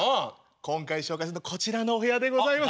今回紹介するのはこちらのお部屋でございます。